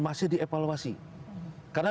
masih dievaluasi karena